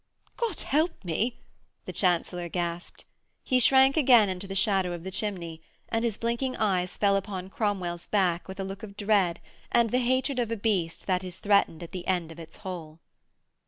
'God help me,' the Chancellor gasped. He shrank again into the shadow of the chimney, and his blinking eyes fell upon Cromwell's back with a look of dread and the hatred of a beast that is threatened at the end of its hole.